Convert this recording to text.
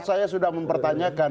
saya sudah mempertanyakan